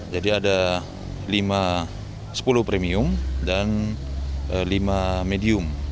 jadi ada lima sepuluh premium dan lima medium